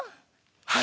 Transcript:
はい。